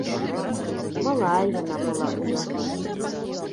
Малая яна была ў яго.